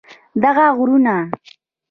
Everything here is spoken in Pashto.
دغه غرونه